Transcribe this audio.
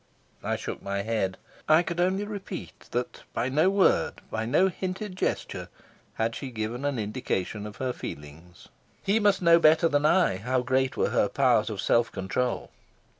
I shook my head. I could only repeat that by no word, by no hinted gesture, had she given an indication of her feelings. He must know better than I how great were her powers of self control.